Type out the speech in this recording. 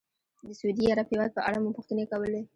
د سعودي عرب هېواد په اړه مو پوښتنې کولې.